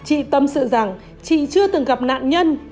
chị tâm sự rằng chị chưa từng gặp nạn nhân